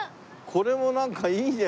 これもなんかいいね。